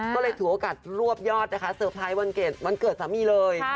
ก็เลยถือโอกาสรวบยอดนะคะเซอร์ไพรส์วันเกิดสามีเลย